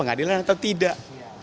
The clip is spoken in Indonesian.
adil atau tidak